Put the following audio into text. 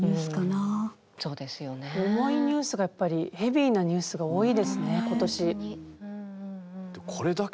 重いニュースがやっぱりヘビーなニュースが多いですねことし。